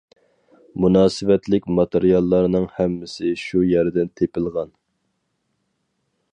مۇناسىۋەتلىك ماتېرىياللارنىڭ ھەممىسى شۇ يەردىن تېپىلغان.